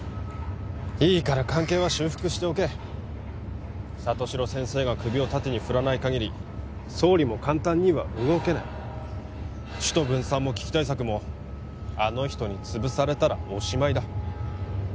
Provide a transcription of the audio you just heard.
いいから関係は修復しておけ里城先生が首を縦に振らないかぎり総理も簡単には動けない首都分散も危機対策もあの人につぶされたらおしまいだ